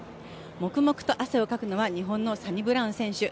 黙々と汗をかくのは日本のサニブラウン選手。